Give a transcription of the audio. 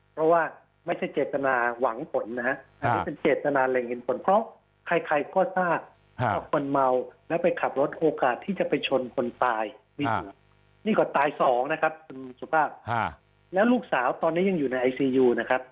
เพราะว่าไม่ใช่เจตนาหวังผลนะฮะอันนี้เป็นเจตนาแหล่งเห็นผลเพราะใครก็ทราบว่าคนเมาแล้วไปขับรถโอกาสที่จะไปชนคนตายนี่ก็ตายสองนะครับคุณสุภาพแล้วลูกสาวตอนนี้ยังอยู่ในไอซียูนะครับ